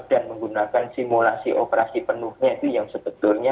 dan menggunakan simulasi operasi penuhnya itu yang sebetulnya